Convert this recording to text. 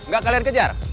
gak kalian kejar